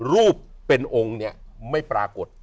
รูปเป็นองค์เนี่ยไม่ปรากฏ